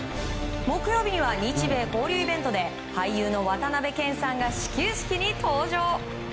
木曜日には日米交流イベントで俳優の渡辺謙さんが始球式に登場。